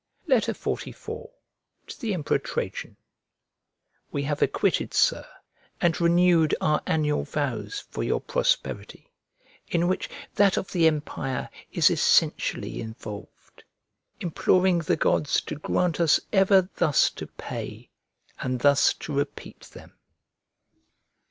XLIV To THE EMPEROR TRAJAN WE have acquitted, Sir, and renewed our annual vows for your prosperity, in which that of the empire is essentially involved, imploring the gods to grant us ever thus to pay and thus to repeat them.